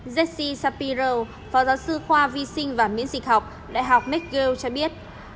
jesse shapiro phó giáo sư khoa vi sinh và miễn dịch học đại học mcgill cho biết